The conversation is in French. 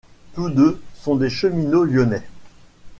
Tous deux sont des cheminots lyonnais.